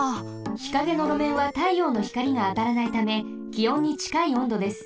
日陰のろめんはたいようのひかりがあたらないためきおんにちかいおんどです。